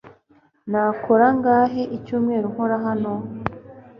Nakora angahe icyumweru nkora hano?